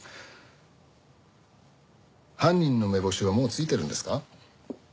犯人の目星はもうついてるんですか？